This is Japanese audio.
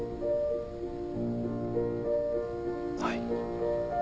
はい。